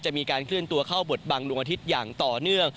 มีการเคลื่อนตัวเข้าบทบังดวงอาทิตย์อย่างต่อเนื่อง